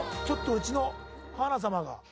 ちょっとうちの華さまが。